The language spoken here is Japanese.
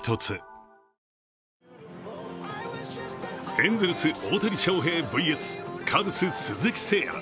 エンゼルス・大谷翔平ｖｓカブス・鈴木誠也。